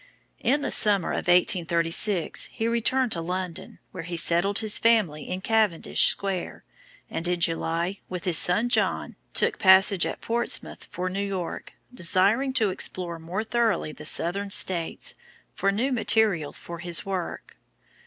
In the summer of 1836, he returned to London, where he settled his family in Cavendish Square, and in July, with his son John, took passage at Portsmouth for New York, desiring to explore more thoroughly the southern states for new material for his work.